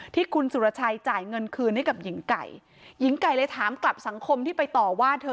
ที่คุณสุรชัยจ่ายเงินคืนให้กับหญิงไก่หญิงไก่เลยถามกลับสังคมที่ไปต่อว่าเธอ